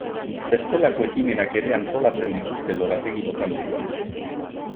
Bestelako ekimenak ere antolatzen dituzte lorategi botanikoan.